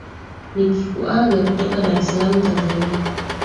nikikuaga kutoka dar es salaam tanzania